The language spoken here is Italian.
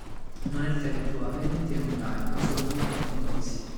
Non effettua vendite on-line ma solo nei propri negozi.